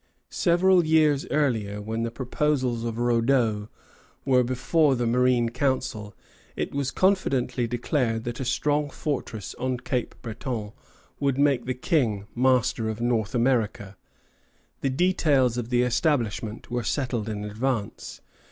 Several years earlier, when the proposals of Raudot were before the Marine Council, it was confidently declared that a strong fortress on Cape Breton would make the King master of North America. The details of the establishment were settled in advance.